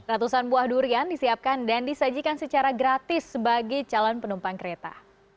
ratusan buah durian disiapkan dan disajikan secara gratis bagi calon penumpang kereta